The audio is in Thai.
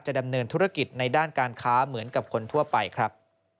ดำเนินธุรกิจในด้านการค้าเหมือนกับคนทั่วไปครับ